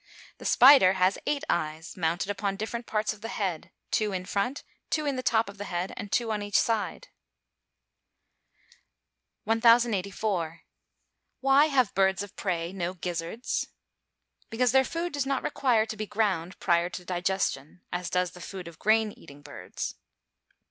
The spider has eight eyes, mounted upon different parts of the head; two in front, two in the top of the head, and two on each side. 1084. Why have birds of prey no gizzards? Because their food does not require to be ground prior to digestion, as does the food of grain eating birds.